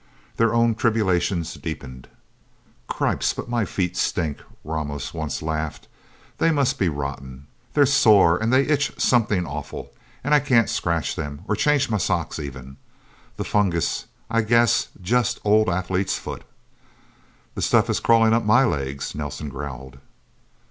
Their own tribulations deepened. "Cripes but my feet stink!" Ramos once laughed. "They must be rotten. They're sore, and they itch something awful, and I can't scratch them, or change my socks, even. The fungus, I guess. Just old athlete's foot." "The stuff is crawling up my legs," Nelsen growled.